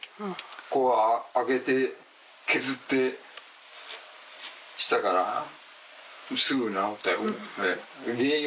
こう開けて削ってしたからすぐ直ったよ。